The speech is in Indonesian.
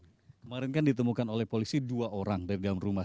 kemarin kan ditemukan oleh polisi dua orang dari dalam rumah